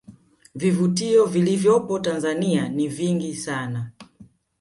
Vivutio vilivyopo tanzania ni vingi sana